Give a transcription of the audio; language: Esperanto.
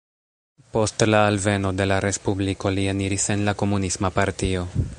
Post la alveno de la Respubliko li eniris en la Komunisma Partio.